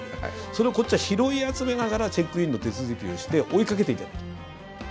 それをこっちは拾い集めながらチェックインの手続きをして追いかけていた。